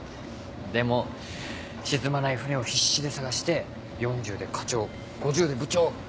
でも沈まない船を必死で探して４０で課長５０で部長。